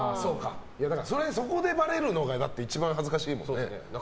そこでばれるのが一番恥ずかしいもんね。